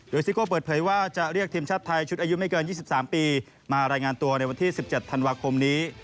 โดยซิโก้เปิดเผยว่าจะเรียกทีมชาติไทยชุดอายุไม่เกิน๒๓ปีมารายงานตัวในวันที่๑๗ธันวาคมนี้